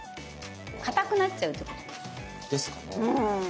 かたくなっちゃうってことかな？ですかね。